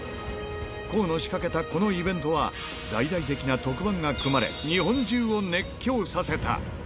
康の仕掛けたこのイベントは、大々的な特番が組まれ、日本中を熱狂させた。